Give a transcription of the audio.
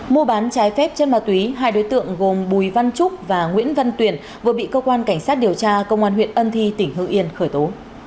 mua bán trái phép chân ma túy hai đối tượng gồm bùi văn trúc và nguyễn văn tuyển vừa bị cơ quan cảnh sát điều tra công an huyện ân thi tỉnh hưng yên khởi tố